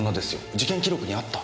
事件記録にあった。